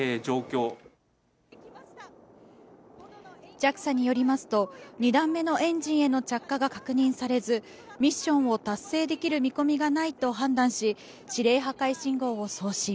ＪＡＸＡによりますと、２段目のエンジンへの着火が確認されず、ミッションを達成できる見込みがないと判断し、指令破壊信号を送信。